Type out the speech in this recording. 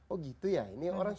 oh gitu ya